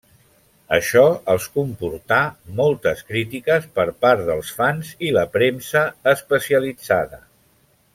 Això els comportà moltes crítiques per part dels fans i la premsa especialitzada.